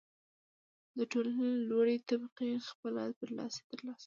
د ټولنې لوړې طبقې خپله برلاسي ساتي.